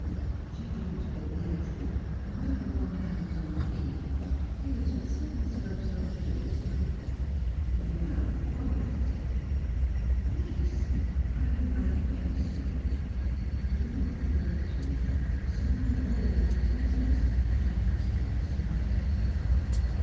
She drew towards the exit, and when her one hand was on the key, Piers, with sudden self subdual, spoke. "You have promised!" "Yes, I will write very soon." With a look of gratitude, a smile all but of tenderness, she passed from his sight.